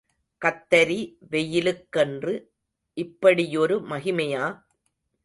கத்தரி வெயிலுக்கென்று இப்படியொரு மகிமையா?